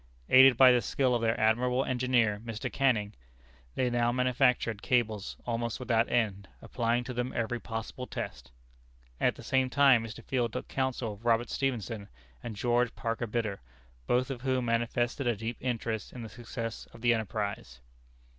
Aided by the skill of their admirable engineer, Mr. Canning, they now manufactured cables almost without end, applying to them every possible test. At the same time, Mr. Field took counsel of Robert Stephenson and George Parker Bidder, both of whom manifested a deep interest in the success of the enterprise.